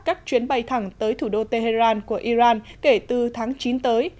các chuyến bay thẳng tới thủ đô tehran của iran kể từ tháng chín tới